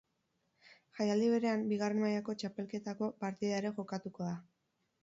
Jaialdi berean bigarren mailako txapelketako partida ere jokatuko da.